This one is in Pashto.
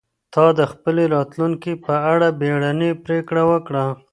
تا د خپلي راتلونکي په اړه بیړنۍ پرېکړه وکړه.